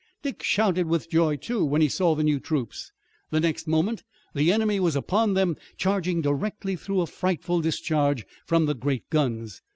Dick shouted with joy, too, when he saw the new troops. The next moment the enemy was upon them, charging directly through a frightful discharge from the great guns.